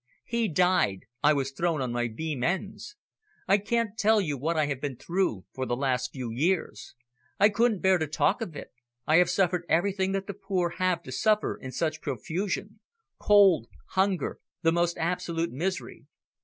He died; I was thrown on my beam ends. I can't tell you what I have been through for the last few years. I couldn't bear to talk of it I have suffered everything that the poor have to suffer in such profusion cold, hunger, the most absolute misery.